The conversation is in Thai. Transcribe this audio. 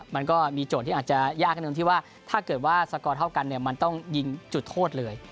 มันก็มีโจทย์ที่อาจจะยากนิดนึงที่ว่าถ้าเกิดว่าสกอร์เท่ากันเนี่ยมันต้องยิงจุดโทษเลย